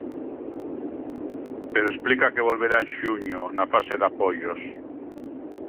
Pero explica que volverá en xuño, na fase de apoios.